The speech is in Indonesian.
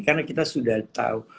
karena kita sudah tahu